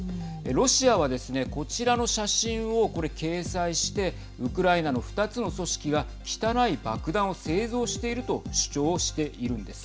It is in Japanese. ロシアはですねこちらの写真をこれ掲載してウクライナの２つの組織が汚い爆弾を製造していると主張しているんです。